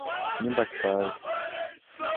Nyumba ya kifahari